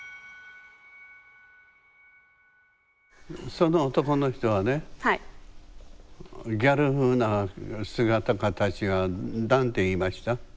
その男の人はねギャル風な姿形は何て言いました？